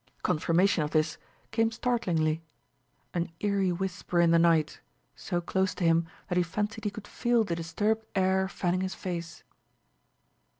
Confirmation of this came startlingly an eerie whisper in the night, so close to him that he fancied he could feel the disturbed air fanning his face.